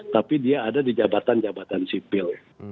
tapi dia ada di jabatan jabatan sipil